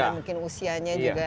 mungkin usianya juga